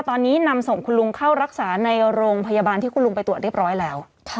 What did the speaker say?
ตอนนี้นำส่งคุณลุงเข้ารักษาในโรงพยาบาลที่คุณลุงไปตรวจเรียบร้อยแล้ว